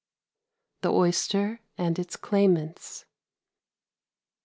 THE OYSTER AND ITS CLAIMANTS.